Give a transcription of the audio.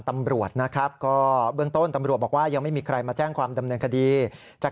ตำรวจนะครับก็เบื้องต้นตำรวจบอกว่ายังไม่มีใครมาแจ้งความดำเนินคดีจาก